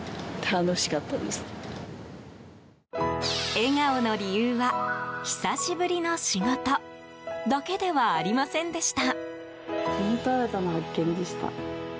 笑顔の理由は久しぶりの仕事だけではありませんでした。